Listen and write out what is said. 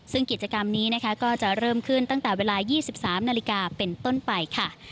ซึ่งกิจกรรมนี้นะคะก็จะเริ่มขึ้นตั้งแต่เวลา๒๓นาฬิกาเป็นต้นไปค่ะ